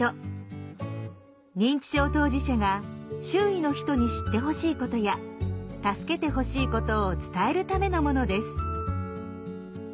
認知症当事者が周囲の人に知ってほしいことや助けてほしいことを伝えるためのものです。